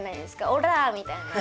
オラー！みたいな。